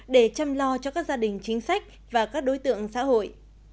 để chăm lo cho các gia đình chính sách và các đối tượng xã hội